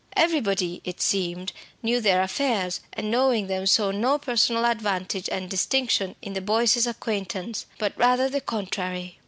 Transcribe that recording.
Everybody, it seemed, knew their affairs, and knowing them saw no personal advantage and distinction in the Boyces' acquaintance, but rather the contrary.